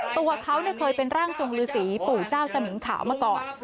ตัวเขาเคยเป็นร่างทรงฤษีปู่เจ้าสมิงขาวมาก่อน